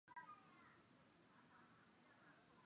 贝尔格莱尔恩是德国巴伐利亚州的一个市镇。